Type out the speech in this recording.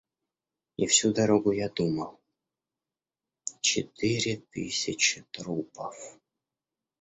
И всю дорогу я думал: четыре тысячи трупов.